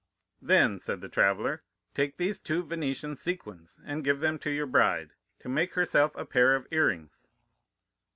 "'Then,' said the traveller, 'take these two Venetian sequins and give them to your bride, to make herself a pair of earrings.